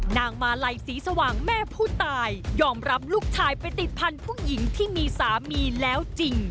นางมาลัยศรีสว่างแม่ผู้ตายยอมรับลูกชายไปติดพันธุ์ผู้หญิงที่มีสามีแล้วจริง